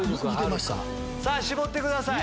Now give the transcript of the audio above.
さぁ絞ってください。